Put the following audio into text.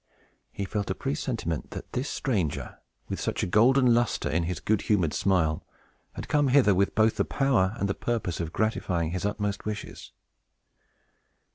He felt a presentiment that this stranger, with such a golden lustre in his good humored smile, had come hither with both the power and the purpose of gratifying his utmost wishes.